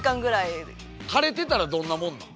晴れてたらどんなもんなん？